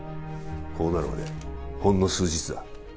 こうなるまでほんの数日だ